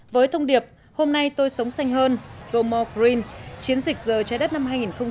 với thông điệp hôm nay tôi sống xanh hơn go more green chiến dịch giờ trái đất năm hai nghìn một mươi tám